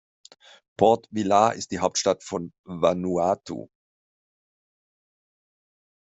Port Vila ist die Hauptstadt von Vanuatu.